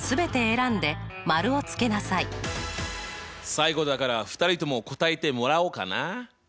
最後だから２人とも答えてもらおうかな。